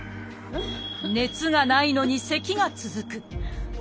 熱がないのにせきが続く。